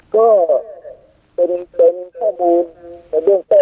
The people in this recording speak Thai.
ก็ว่ามันเป็นข้อมูล